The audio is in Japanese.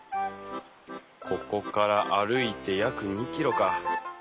ここから歩いて約２キロか。